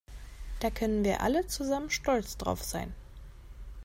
Da können wir alle zusammen stolz drauf sein!